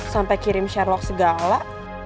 sampai kirim sherlock segala